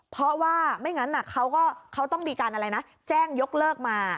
เพราะว่าไม่งั้นเขาก็เขาต้องมีการอะไรนะแจ้งยกเลิกมา